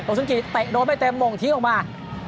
โกซินกิเตะโดนไปเต็มม่วงทิ้งออกมา